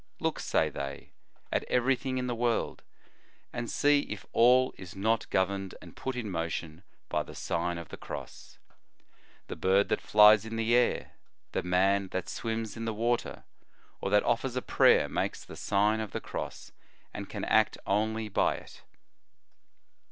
"Look," say they, "at everything in the world, and see if all is not governed and put in motion by the Sign of the Cross. The bird that flies in the air, the man that swims in the water, or that offers a prayer, makes the Sign of the Cross, and can act only by it.